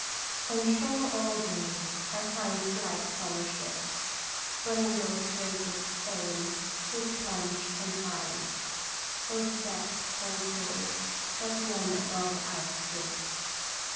86 Qt 0traj> fteueier. On shore all day I find slight fellowship, But in those surges fain would plunge and hide : Those depths hold joys that none above outstrip.